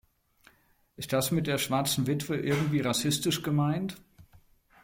Ist das mit der schwarzen Witwe irgendwie rassistisch gemeint?